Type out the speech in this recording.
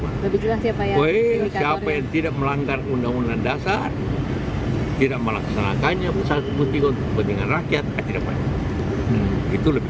lebih jelas siapa yang melaksanakan undang undang dasar tidak melaksanakannya pasal tiga puluh tiga untuk kepentingan rakyat tidak boleh